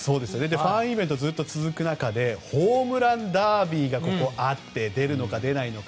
ファンイベントがずっと続く中でホームランダービーがあってここにあって出るのか出ないのか